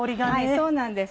そうなんです。